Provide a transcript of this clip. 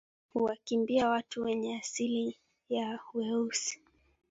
Huwakimbia watu wenye asili ya weusi